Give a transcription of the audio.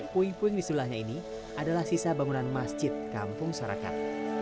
puing puing di sebelahnya ini adalah sisa bangunan masjid kampung sarakat